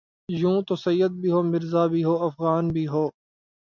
یوں تو سید بھی ہو مرزابھی ہوافغان بھی ہو